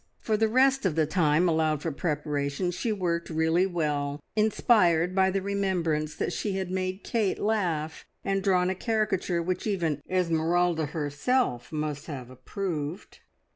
For the rest of the time allowed for preparation she worked really well, inspired by the remembrance that she had made Kate laugh, and drawn a caricature which even Esmeralda herself must have approved.